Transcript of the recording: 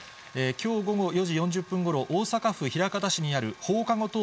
きょう午後４時４０分ごろ、大阪府枚方市にある放課後等